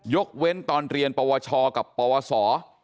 ยกเว้นตอนเรียนประวัติศาสตร์กับประวัติศาสตร์